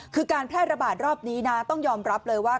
คือการแพร่ระบาดรอบนี้นะต้องยอมรับเลยว่า